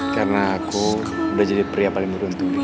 karena aku sudah jadi pria paling beruntung di dunia